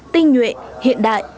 tinh nhuệ hiện đại